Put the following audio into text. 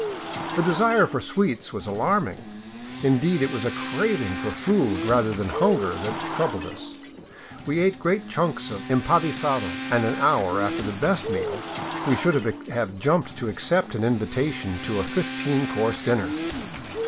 The desire for sweets was alarming. Indeed, it was a crav ing for food, rather than hunger, that troubled us. We ate great chunks of empanisado, and an hour after the best meal we should have jumped to accept an invitation to a fifteen course dinner.